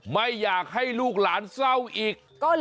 ไม่อยากให้ลูกหลานเศร้าอีก